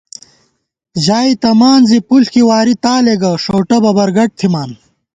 ژائےتمان زی پُݪ کی واری تالےگہ، ݭؤٹہ ببرگٹ تھِمان